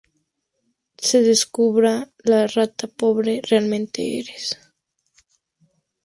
se descubra la rata pobre que realmente eres